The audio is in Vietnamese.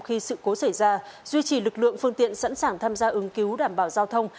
khi sự cố xảy ra duy trì lực lượng phương tiện sẵn sàng tham gia ứng cứu đảm bảo giao thông